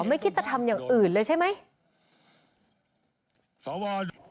ไม่คิดจะทำอย่างอื่นเลยใช่ไหม